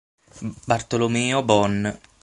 Bartolomeo Bon